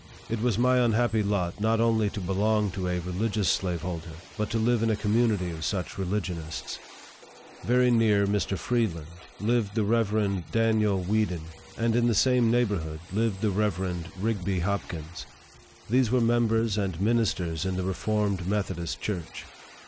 It was my unhappy lot not only to belong to a religious slaveholder, but to live in a community of such religionists. Very near Mr. Freeland lived the Rev. Daniel Weeden, and in the same neighborhood lived the Rev. Rigby Hopkins. These were members and ministers in the Reformed Methodist Church.